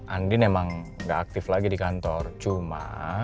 andien emang gak aktif lagi di kantor cuma